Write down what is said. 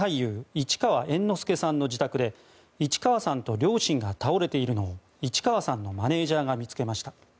市川猿之助さんの自宅で市川さんと両親が倒れているのを市川さんのマネジャーが見つけました。